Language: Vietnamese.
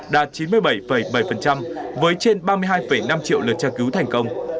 đạt chín mươi bảy bảy với trên ba mươi hai năm triệu lượt tra cứu thành công